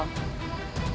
untuk melakukan ritual